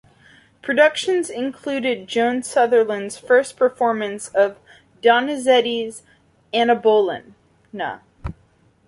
Productions included Joan Sutherland's first performance of Donizetti's "Anna Bolena".